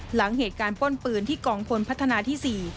หลังเหตุการณ์ป้นปืนที่กองพลพัฒนาที่๔